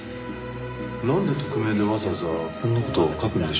なんで匿名でわざわざこんな事を書くんでしょうね。